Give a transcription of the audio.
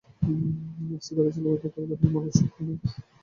আস্তে গাড়ি চালাও, এত তাড়াতাড়ি মরার শখ নেই আমার।